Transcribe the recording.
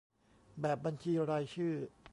แบบบัญชีรายชื่อ